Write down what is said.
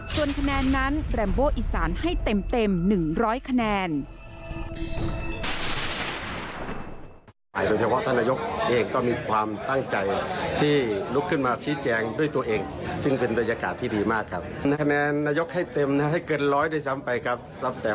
ส่วนคะแนนนั้นแรมโบอีสานให้เต็ม๑๐๐คะแนน